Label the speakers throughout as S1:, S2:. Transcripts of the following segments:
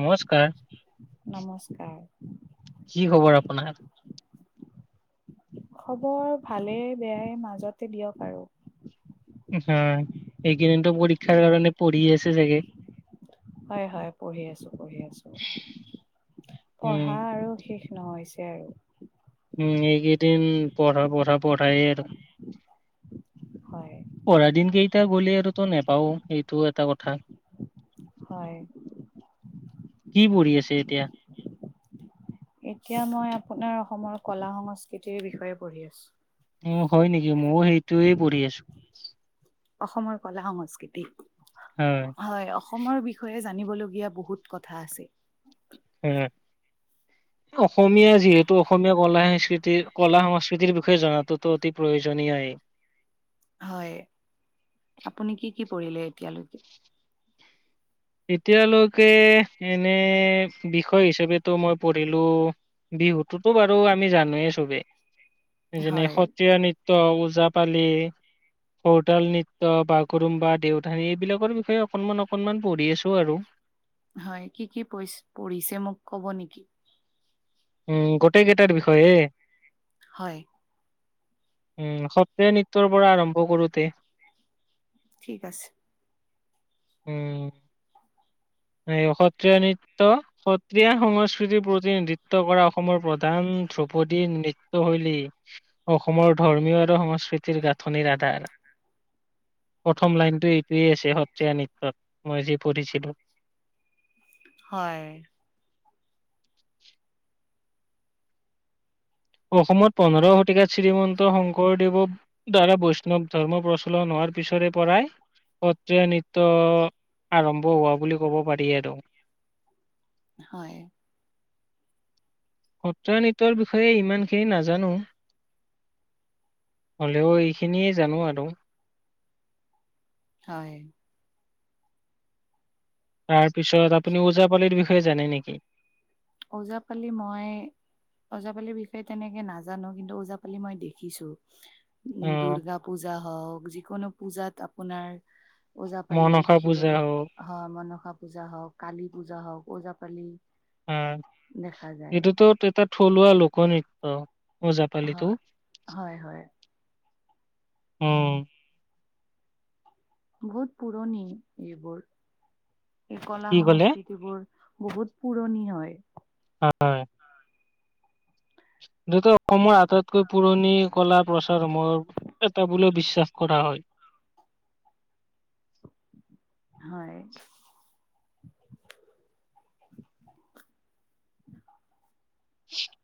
S1: নমস্কাৰ
S2: নমস্কাৰ
S1: কি খবৰ আপোনাৰ
S2: খবৰ ভালে বেয়াই মাজতে দিয়ক আৰু
S1: এইকেইদিন ত পৰীক্ষাৰ কাৰণে পঢ়ি আছে চাগে
S2: হয় হয় পঢ়ি আছো পঢ়ি আছো
S1: উম,
S2: পঢ়া আৰু শেষ নহৈছে আৰু
S1: উম এইকেইদিন পঢ়া পঢ়া পঢ়াই আৰু
S2: হয়
S1: পঢ় দিন কেইটা গ'লে আৰু তো নেপাও সেইটো এটা কথা
S2: হয়
S1: কি পঢ়ি আছে এতিয়া
S2: এতিয়া মই আপোনাৰ অসমৰ কলা সংস্কৃতিৰ বিষয়ে পঢ়ি আছোঁ
S1: অ হয় নেকি মইও সেইটোয়ে পঢ়ি আছো
S2: অসমৰ কলা সংস্কৃতি হয় অসমৰ বিষয়ে জানিবলগীয়া বহুত কথা আছে
S1: উম অসমীয়া যিহেতু অসমীয়া কলা সংস্কৃতিৰ কলা সংস্কৃতিৰ বিষয়ে জনাতোতো অতি প্ৰয়োজনীয়
S2: হয় আপুনি কি কি পৰিলে এতিয়ালৈকে
S1: এতিয়ালৈকে এনে বিষয় হিচাপেতো মই পঢ়িলোঁ বিহুতোতো বাৰু আমি জানোৱেই চবেই যেনে
S2: হয়
S1: সত্ৰীয়া নৃ ট্য ওজাপালি কৰতাল নৃত্য বাগুৰুম্বা দেউধানী এইবিলাকৰ বিষয়ে অকনমান অকনমান পঢ়ি আছো আৰু
S2: হয় কি কি প পঢ়িছে মোক ক'ব নেকি?
S1: উম গোটেইকেইটাৰ বিষয়ে
S2: হয়
S1: উম সত্ৰ নৃত্যৰ পৰা আৰম্ভ কৰোতে
S2: ঠিক আছে
S1: উম সত্ৰীয়া নৃত্য সত্ৰীয়া সংস্কৃতিৰ প্ৰতিনিধিত্ব কৰা অসমৰ প্ৰধান ধ্ৰৌপদীৰ নৃত্যশৈলী অসমৰ ধৰ্মীয় আৰু সংস্কৃতিৰ গাঁথনিৰ আধাৰ প্ৰথম লাইনটো এইটোৱে আছে সত্ৰীয়া নৃত্যত মই যি পঢ়িছিলো
S2: হয়
S1: অসমত পোন্ধৰ শতিকাত শ্ৰীমন্ত শংকৰদেৱ দ্বাৰা বৈষ্ণৱ ধৰ্ম প্ৰচলন হোৱাৰ পিছৰে পৰাই সত্ৰীয়া নৃত্য আৰম্ভ হোৱা বুলি ক'ব পাৰি আৰু
S2: হয়
S1: সত্ৰীয়া নৃত্যৰ বিষয়ে ইমান খিনি নাজানো। হ'লেও ইখিনি জানো আৰু।
S2: হয়
S1: তাৰ পিছত আপুনি ওজাপালিৰ বিষয়ে জানে নেকি?
S2: ওজাপালি মই ওজাপালিৰ বিষয়ে তেনেকে নাজানো কিন্তু ওজাপালি মই দেখিছো। উ'
S1: আহ
S2: দূৰ্গা পূজা হওক যিকোনো পূজাত আপোনাৰ ওজাপালি
S1: মনসা পূজা
S2: দেখিবলৈ,
S1: হওক
S2: হয় মনসা পূজা হওক, কালি পূজা হওক ওজাপালি
S1: হ,
S2: দেখা যায়
S1: এইটোতো এটা থলুৱা লোকনৃত্য। ওজাপালিতো।
S2: হয় হয় হয়
S1: অ'।
S2: বহুত পুৰণি এইবোৰ। এই
S1: কি ক'লে
S2: কলা-সংস্কৃতিবোৰ বহুত পুৰণি হয়।
S1: হয় যিহেতু অসমৰ আটাইতকৈ পুৰণি কলা-প্ৰচাৰ সমৰ এটা বোলে বিশ্বাস কৰা হয়।
S2: হয়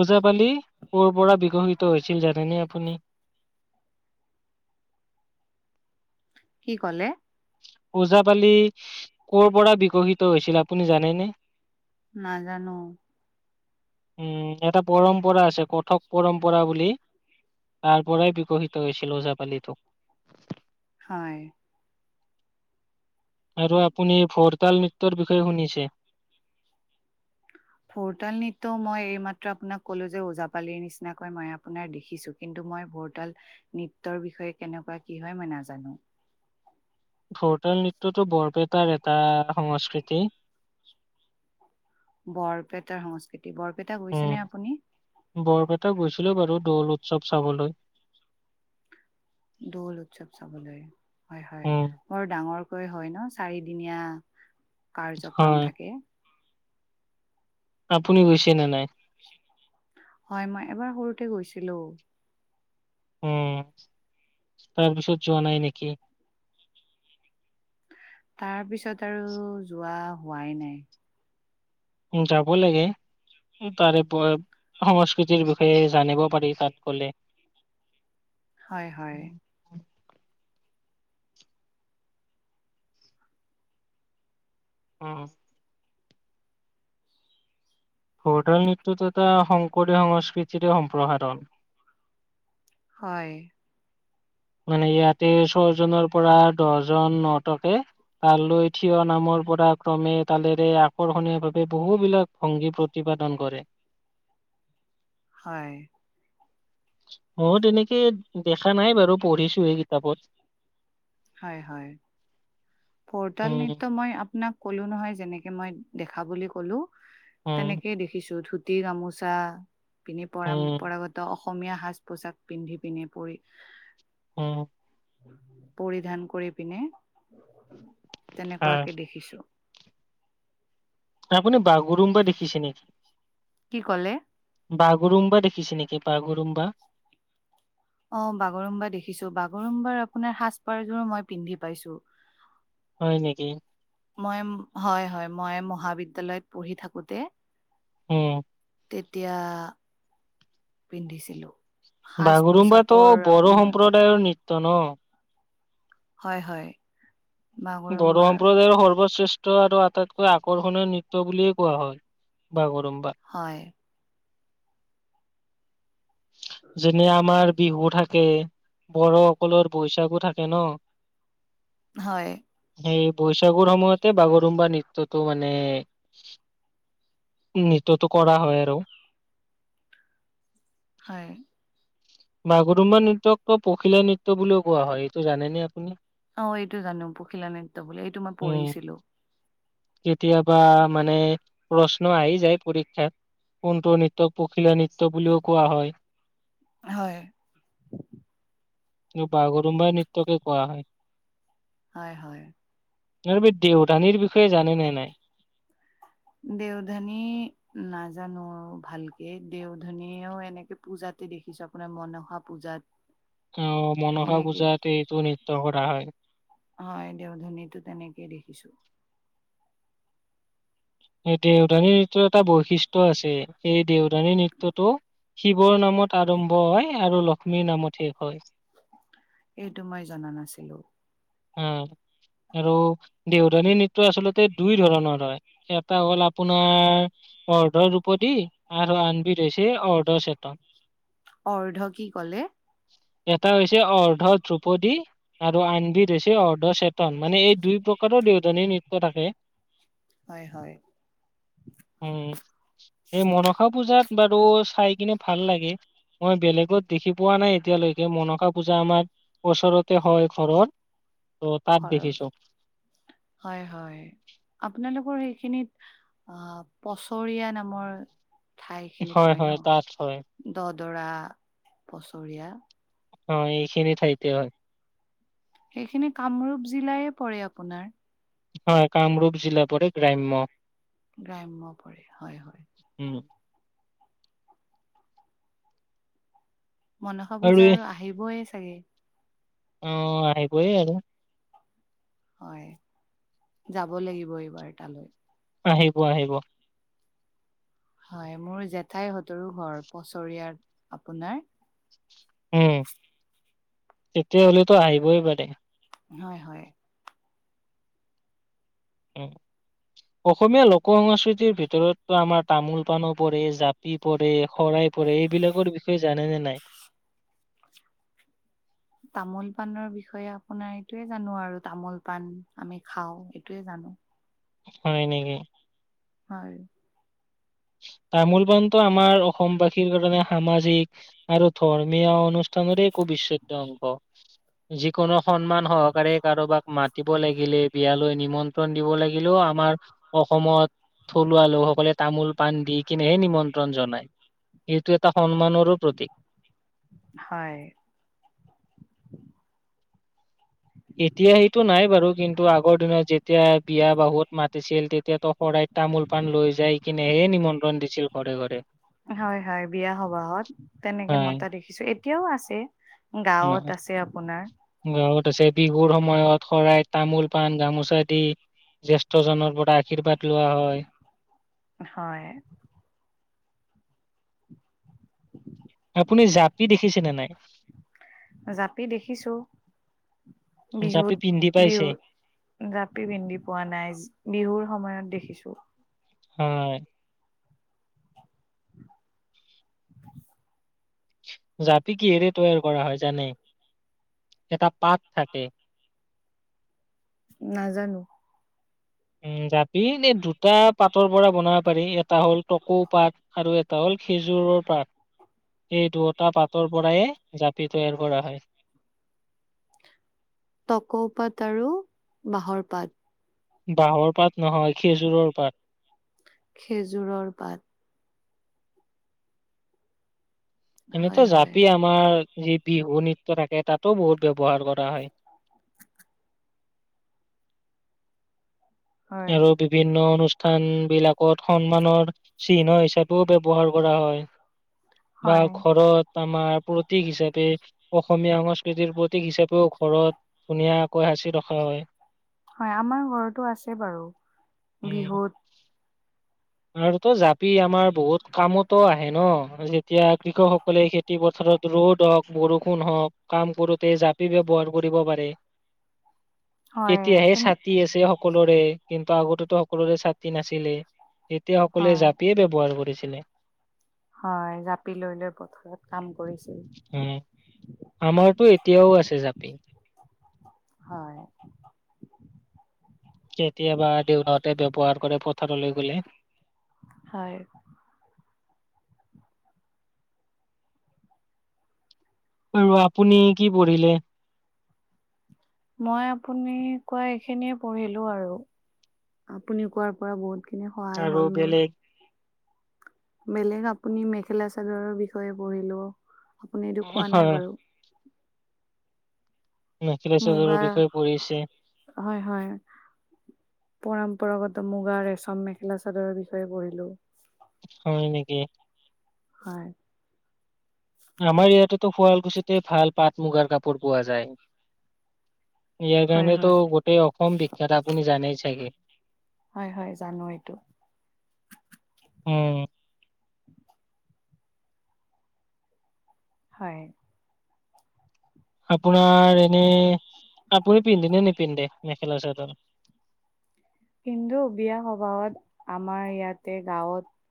S1: ওজাপালি, কৰ পৰা বিকশিত হৈছিল জানেনে আপুনি?
S2: কি ক'লে?
S1: ওজাপালি, কৰ পৰা বিকশিত হৈছিল আপুনি জানেনে?
S2: নাজানো।
S1: উম্ এটা পৰম্পৰা আছে কথক পৰম্পৰা বুলি তাৰ পৰাই বিকশিত হৈছিল ওজাপালিতো।
S2: হয়
S1: আৰু আপুনি ভৰতাল নৃত্যৰ বিষয়ে শুনিছে?
S2: ফুৰতাল নৃত্য মই এই মাত্ৰ আপোনাক কলো যে ওজাপালিৰ নিচিনাকৈ মই আপোনাৰ দেখিছো। কিন্তু মই ভোৰতাল নৃত্যৰ বিষয়ে কেনেকুৱা কি হয় মই নাজানো।
S1: ভৰতাল নৃত্যটো বৰপেটাৰ এটা সংস্কৃতি।
S2: বৰপেটাৰ সংস্কৃতি, বৰপেটা
S1: উম,
S2: গৈছেনে আপুনি?
S1: বৰপেটা গৈছিলো বাৰু দৌল উৎসৱ চাবলৈ।
S2: দৌল উৎসৱ চাবলৈ, হয় হয়।
S1: উম,
S2: বৰ ডাঙৰকৈ হয় ন? চাৰিদিনীয়া
S1: হয়।
S2: কাৰ্যক্ৰম থাকে।
S1: আপুনি গৈছে নে নাই?
S2: হয় মই এবাৰ সৰুতে গৈছিলো।
S1: উম', তাৰপিছত যোৱা নাই নেকি?
S2: তাৰ পিছত আৰু যোৱা হোৱাই নাই।
S1: উ যাব লাগে। ই তাৰে সংস্কৃতিৰ বিষয়ে জানিব পাৰি তাত গ'লে।
S2: হয় হয়।
S1: উম ভোৰটাল নৃত্যতো এটা শংকৰীয়া সংস্কৃতিৰ সম্প্ৰসাৰণ।
S2: হয়।
S1: মানে ইয়াতে ছয়জনৰ পৰা দহজন ন'টকে তালৈ থিয় নামৰ পৰা ক্ৰমে তালেৰে আকৰ্ষণীয় ভাৱে বহু বিলাক ভংগী প্ৰতিপাদন কৰে।
S2: হয়।
S1: মইও তেনেকে দেখা নাই বাৰু পঢ়িছো সে কিতাপত,
S2: হয় হয়। ভৰতাল
S1: উম,
S2: নৃত্য মই আপোনাক কলো নহয় যেনেকে মই দেখা বুলি কলো।
S1: উম,
S2: তেনেকেই দেখিছো ধুতি গামোচা পিন্ধি
S1: উম,
S2: পৰম্পৰাগত, ত অসমীয়া সাজ পোছাক পিন্ধি পিন্ধি পৰি
S1: উম
S2: পৰিধান কৰি পিনে,
S1: হয়।
S2: তেনেকুৱাকে দেখিছো।
S1: আপুনি বাগৰুম বা দেখিছে নেকি।
S2: কি ক'লে।
S1: বাগৰুম বা দেখিছে নেকি বাগৰুম বা,
S2: অ বাগৰুম বা‌ দেখিছো বাগৰুম বাৰ আপোনাৰ সাজ পাৰযোৰো মই পিন্ধি পাইছো।
S1: হয় নেকি।
S2: মই হয় হয় মই মহাবিদ্যালয়ত পঢ়ি থাকোতে।
S1: অ
S2: তেতিয়া। পিন্ধিছিলো। সাজ
S1: বাগৰুম বাটো
S2: পোছাকৰ
S1: বড়ো
S2: আপোনাৰ
S1: সম্প্ৰদায়ৰ নৃত্য ন,
S2: হয় হয়।
S1: বড়ো
S2: বাগৰুম্বাৰ
S1: সম্প্ৰদায়ৰ সৰ্বশ্ৰেষ্ঠ নৃত্য আৰু আটাইতকৈ আকৰ্ষণীয় নৃত্য বুলিয়ে কোৱা হয় বাগৰুম বা,
S2: হয়।
S1: যেনে আমাৰ বিহু থাকে বড়োসকলৰ বৈশাগো থাকে ন।
S2: হয়।
S1: সেই বৈশাগুৰ সময়তে বাগৰুমবা নৃত্যটো মানে। নৃততো কৰা হয় আৰু।
S2: হয়।
S1: মাগুৰুমবা নৃত্যকতো পখিলা নৃত্য বুলিও কোৱা হয় এইটো জানেনে আপুনি।
S2: অ এইটো জানো পখিলা নৃত্য বুলি এইটো মই
S1: উম
S2: পঢ়িছিলো।
S1: কেতিয়াবা মানে প্ৰশ্ন আহি যায় পৰীক্ষাত। কোনটো নৃত্যক পখিলা নৃত্য বুলিও কোৱা হয়।
S2: হয়।
S1: বাগৰুমবা নৃত্যকে কোৱা হয়
S2: হয় হয়।
S1: [unintelligible] এই দেউধানীৰ বিষয়ে জানে নে নাই।
S2: দেওধানী। নাজানো ভালকে দেওধনীও এনেকে পূজাতে দেখিছো আপোনাৰ মনসা পূজাত।
S1: অ মনসা
S2: এনেকে
S1: পূজাত এইটো নৃত্য কৰা হয়।
S2: হয় দেও ধানীটো তেনেকে দেখিছো।
S1: এই দেউধানী নৃত্যৰ এটা বৈশিষ্ট্য আছে সেই দেওধানী নৃত্যটো, শিৱৰ নামত আৰম্ভ হয় আৰু লক্ষ্মীৰ নামত শেষ হয়।
S2: এইটো মই জনা নাছিলো।
S1: উম আৰু দেওধানী নৃত্য আচলতে দুই ধৰণৰ হয়। এটা হ'ল আপোনাৰ, অৰ্ধ ৰূপদী আৰু আনবিধ হৈছে অৰ্ধ চেতন।
S2: অৰ্ধ কি কলে?
S1: এটা হৈছে অৰ্ধ ধ্ৰুপদী, আৰু আনবিধ হৈছে অৰ্ধ চেতন, মানে এই দুই প্ৰকাৰৰ দেউধানী নৃত্য থাকে।
S2: হয় হয়।
S1: উম, এই মনসা পূজাত বাৰু চাই কিনে ভাল লাগে। মই বেলেগত দেখি পোৱা নাই এতিয়ালৈকে মনসা পূজা আমাৰ ওচৰতে হয় ঘৰত।
S2: খৰচ হয় হয় আপোনালোকৰ সেইখিনিত, আহ পছৰিয়া নামৰ, ঠাইখিনিত হয় ন, দদৰা পছৰিয়া
S1: অ এইখিনি ঠাইতে হয়।
S2: সেইখিনি কামৰূপ জিলাইয়ে পৰে আপোনাৰ,
S1: হয় কামৰূপ জিলা পৰে, গ্ৰাম্য
S2: গ্ৰাম্য পৰে হয় হয়।
S1: ওম
S2: মনসা পূজা আৰু আহিবইয়ে চাগে,
S1: অ আহিবইয়ে আৰু
S2: হয় যাব লাগিব এইবাৰ তালৈ,
S1: আহিব আহিব।
S2: হয় মোৰ জেঠাই সতৰো ঘৰ পছৰিয়াত আপোনাৰ,
S1: উম তেতিয়াহ'লেতো আহিবই পাৰে।
S2: হয় হয়।
S1: অসমীয়া লোক সংস্কৃতিৰ ভিতৰতো আমাৰ তামোল পাণৰ পৰে জাপ, পি পৰে শৰাই পৰে এইবিলাকৰ বিষয়ে জানেনে নাই?
S2: তামোল পাণৰ বিষয়ে আপোনাৰ এইটোয়ে জানো আৰু তামোল পাণ আমি খাও, এইটোয়ে জানো
S1: হয় নেকি?
S2: হয়।
S1: তামোল পাণটো আমাৰ অসমবাসীৰ কাৰণে সামাজিক, আৰু ধৰ্মীয় অনুষ্ঠানৰে একো অবিছেদ্য অংগ। যিকোনো সন্মান সহকাৰে কাৰোবাক মাতিব লাগিলে, বিয়ালৈ নিমন্ত্ৰণ দিব লাগিলেও আমাৰ অসমত থলুৱা লোকসকলে তামোল, পাণ দি কিনেহে নিমন্ত্ৰণ জনায় সেইটো এটা সন্মানৰো প্ৰতীক।
S2: হয়।
S1: এতিয়া সেইটো নাই বাৰু কিন্তু আগৰ দিনত যেতিয়া বিয়া বাহুত মাতিছিল তেতিয়াতো শৰাইত, তামোল পান লৈ যাই কিনেহে নিমন্ত্ৰণ দিছিল ঘৰে ঘৰে।
S2: হয় হয় বিয়া সবাহত তেনেকে
S1: হয়
S2: মতা দেখি কিছু এতিয়াও আছে
S1: ন।
S2: গাঁৱত আছে আপোনাৰ,
S1: গাঁৱত আছে বিহুৰ সময়ত শৰাইত তামোল পাণ গামোচা দি, জ্যেষ্ঠজনৰ পৰা আশীৰ্বাদ লোৱা হয়।
S2: হয়। [inaudible]
S1: আপুনি জাপি দেখিছেনে নাই?
S2: জাপি দেখিছো
S1: জাপি
S2: বিহুত
S1: পিন্ধি
S2: বিহু,
S1: পাইছে
S2: জাপি পিন্ধি পোৱা নাই, বিহুৰ সময়ত দেখিছো।
S1: হয়-হয়।
S2: [unintelligible]
S1: জাপি কিহৰে তৈয়াৰ কৰা হয় জানে? এটা পাত থাকে।
S2: নাজানো।
S1: উম' জাবি এই দুটা পাতৰ পৰা বনাব পাৰি। এটা হ'ল টকো পাত আৰু- এটা হ'ল খেজুৰৰ পাত এই দুয়টা পাতৰ পৰায়ে জাপি তৈয়াৰ কৰা হয়।
S2: তকৌ পাত আৰু বাঁহৰ পাত।
S1: বাঁহৰ পাত নহয়, খেজুৰৰ পাত।
S2: খেজুৰৰ পাত। হয়
S1: এনেকুৱা
S2: হয়।
S1: জাপি আমাৰ যি বিহু নৃত্য থাকে তা'তো বহুত ব্যৱহাৰ কৰা হয়।
S2: হয়
S1: আৰু বিভিন্ন অনুষ্ঠান বিলাকত সন্মানৰ চিহ্ন হিচাপেও ব্যৱহাৰ কৰা হয়। বা
S2: হয়
S1: ঘৰত- আমাৰ প্ৰতীক হিচাপে, অসমীয়া সংস্কৃতিৰ প্ৰতীক হিচাপেও ঘৰত- ধুনীয়াকৈ সাঁচি ৰখা হয়।
S2: হয়, আমাৰ ঘৰতো আছে বাৰু।
S1: উম
S2: বিহুত
S1: আৰু তো জাপি আমাৰ বহুত কামতো আহে ন' যেতিয়া কৃষকসকলে খেতি- খেতি পথাৰত ৰ'দ হওক, বৰষুণ হওক, কাম কৰোতে জাপি ব্যৱহাৰ কৰিব পাৰে।
S2: হয়
S1: এতিয়াহে
S2: তেন
S1: ছাতি আছে- সকলোৰে কিন্তু আগতেটো সকলোৰে ছাতি নাছিলে। তেতিয়া সকলোৱে
S2: হয়
S1: জাপিয়ে ব্যৱহাৰ কৰিছিলে।
S2: হয়, জাপি লৈ-লৈ পথাৰত কাম কৰিছিল।
S1: উমঁ। আমাৰতো এতিয়াও আছে জাপি।
S2: হয়।
S1: কেতিয়াবা দেউতাহঁতে ব্যৱহাৰ কৰে পথাৰলৈ গ'লে।
S2: হয়।
S1: আৰু আপুনি কি পঢ়িলে?
S2: মই আপুনি কোৱা এইখিনিয়ে পঢ়িলো আৰু। আপুনি কোৱাৰ পৰা বহুত- খিনি সহায়
S1: আৰু
S2: হ'ল মোৰ।
S1: বেলেগ
S2: বেলেগ আপুনি মেখেলা চাদৰৰ বিষয়ে পঢ়িলো। আপুনি এইটো কোৱা নাই
S1: হয়
S2: বাৰু।
S1: মেখেলা চাদৰৰ
S2: মুগা,
S1: বিষয়ে পঢ়িছে
S2: হয়-হয়। পৰম্পৰাগত মুগা ৰেচম মেখেলা চাদৰৰ বিষয়ে পঢ়িলো।
S1: হয়, নেকি।
S2: হয়।
S1: আমাৰ ইয়াতে টো শুৱালকুছি তে ভাল পাট মুগাৰ কাপোৰ পোৱা যায়। ইয়াৰ
S2: হয়
S1: কাৰণেটো
S2: হয়
S1: গোটেই অসম বিখ্যাত আপুনিটো জানেই চাগে।
S2: হয়-হয়, জনো এইটো।
S1: উমঁ।
S2: [unintelligible] হয়।
S1: আপোনাৰ এনেই আপুনি পিন্ধে নে নিপিন্ধে মেখেলা চাদৰ?
S2: পিন্ধো, বিয়া সবাহত আমাৰ ইয়াতে গাঁৱত।